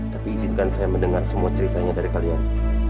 tapi izinkan saya mendengar semua ceritanya dari kalian